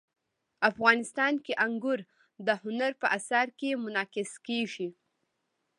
افغانستان کې انګور د هنر په اثار کې منعکس کېږي.